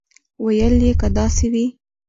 ویل یې که داسې وي.